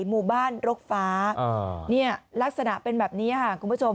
หมู่บ้านรกฟ้าเนี่ยลักษณะเป็นแบบนี้ค่ะคุณผู้ชม